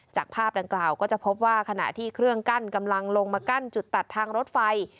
จากภาพดังกล่าวก็จะพบว่าขณะที่เครื่องกั้นกำลังลงมากั้นจุดตัดทางรถไฟ